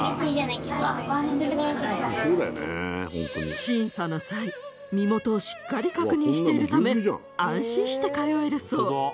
審査の際身元をしっかり確認しているため安心して通えるそう。